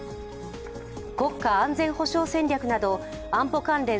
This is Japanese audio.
国家安全保障戦略など安保関連